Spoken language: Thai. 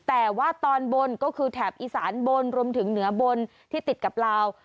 แต่ว่าตอนบนก็คือแถบอีสานบนรวมถึงเหนือบนที่ติดกับลาว